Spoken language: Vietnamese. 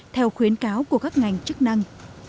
theo khuyến cáo của các ngành chức năng